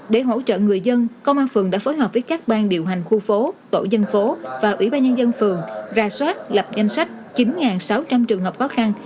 để hỗ trợ người dân công an phường đã phối hợp với các bang điều hành khu phố tổ dân phố và ủy ban nhân dân phường ra soát lập danh sách chín sáu trăm linh trường hợp khó khăn